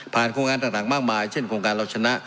โครงการต่างมากมายเช่นโครงการเราชนะ